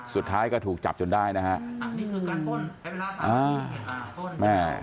สุดท้ายก็ถูกจับจนได้นะครับ